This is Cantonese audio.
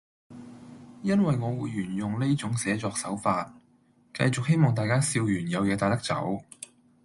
因為我會沿用呢種寫作手法，繼續希望大家笑完有嘢帶得走